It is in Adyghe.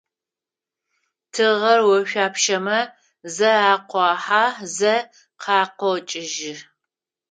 Тыгъэр ошъуапщэмэ зэ акъуахьэ, зэ къакъокӏыжьы.